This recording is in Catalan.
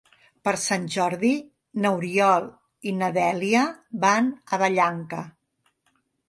Per Sant Jordi n'Oriol i na Dèlia van a Vallanca.